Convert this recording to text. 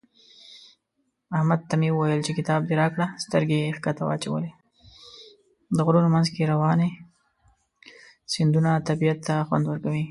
د غرونو منځ کې روانې سیندونه طبیعت ته خوند ورکوي.